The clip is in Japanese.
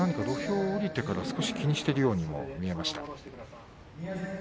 土俵を下りてから少し気にしているように見えました。